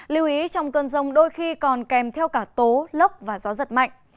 lưu ý trong cơn rông đôi khi còn kèm theo cả tố lốc và gió giật mạnh